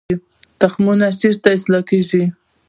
تخمونه چیرته اصلاح کیږي؟